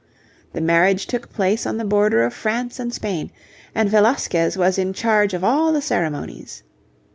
The marriage took place on the border of France and Spain, and Velasquez was in charge of all the ceremonies.